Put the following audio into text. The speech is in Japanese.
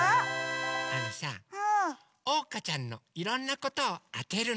あのさおうかちゃんのいろんなことをあてるの！